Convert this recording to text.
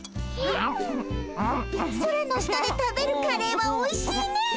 空の下で食べるカレーはおいしいねえ。